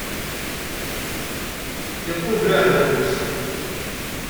Iqubel aεdaw-is.